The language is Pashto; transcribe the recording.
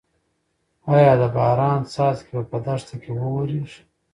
ايا د باران څاڅکي به په دښته کې واوریږي؟